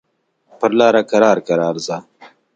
پر لاره کرار کرار ځه.